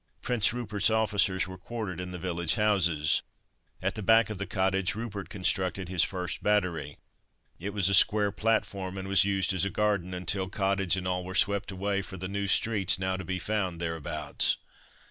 Prince Rupert's officers were quartered in the village houses. At the back of the cottage, Rupert constructed his first battery. It was a square platform, and was used as a garden, until cottage and all were swept away for the new streets now to be found thereabouts.